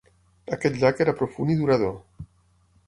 Aquest llac era profund i durador.